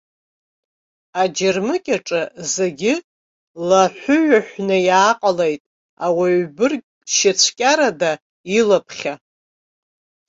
Аџьырмыкьаҿы зегь лаҳәыҩаҳәны иааҟалеит, ауаҩбырг шьацәкьарада илаԥхьа.